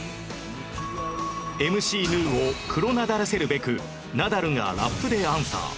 ＭＣ ぬーをクロナダらせるべくナダルがラップでアンサー